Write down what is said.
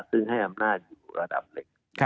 ซึ่งให้อำนาจอยู่ระดับหนึ่ง